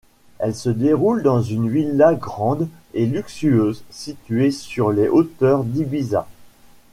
Elle se déroule dans une villa grande et luxueuse située sur les hauteurs d’Ibiza.